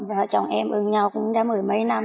vợ chồng em ưng nhau cũng đã mười mấy năm